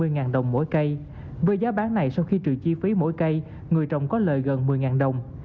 một mươi năm hai mươi ngàn đồng mỗi cây với giá bán này sau khi trừ chi phí mỗi cây người trồng có lợi gần một mươi ngàn đồng